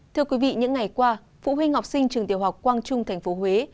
thưa quý vị những ngày qua phụ huynh học sinh trường tiểu học quang trung tp huế